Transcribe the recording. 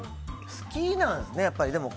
好きなんですよね。